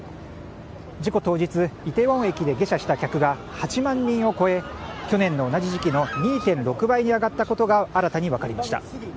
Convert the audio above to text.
事故当日梨泰院駅で下車した客が８万人を超え去年の同じ時期の２．６倍に上がったことが新たに分かりました。